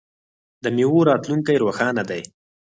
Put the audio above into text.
د میوو راتلونکی روښانه دی.